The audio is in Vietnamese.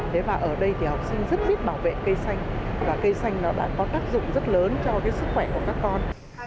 thế và ở đây thì học sinh rất giúp bảo vệ cây xanh và cây xanh nó đã có tác dụng rất lớn cho cái sức khỏe của các con